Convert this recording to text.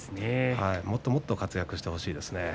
もっともっと活躍してほしいですね。